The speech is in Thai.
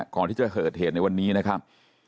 ก่อนที่จะเกิดเหตุในวันนี้นะครับ